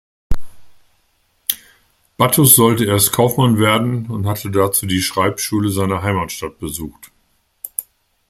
Battus sollte erst Kaufmann werden und hatte dazu die Schreibschule seiner Heimatstadt besucht.